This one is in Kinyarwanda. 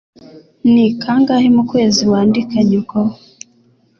Ni kangahe mu kwezi wandika nyoko?